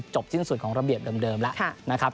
สิ้นสุดของระเบียบเดิมแล้วนะครับ